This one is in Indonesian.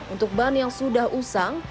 untuk ban yang sudah usang